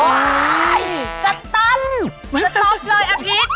โอ้ยสต๊อปสต๊อปเลยอภิษ